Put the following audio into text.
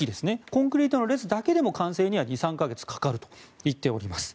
コンクリートの列だけでも完成には２３か月かかるということです。